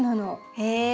へえ。